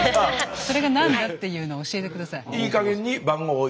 それが何だっていうのを教えて下さい。